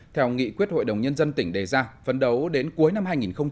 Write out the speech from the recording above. theo nghị quyết hội đồng nhân dân tỉnh đề ra phấn đấu đến cuối năm hai nghìn hai mươi